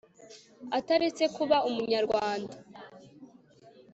ataretse kuba umunyarwanda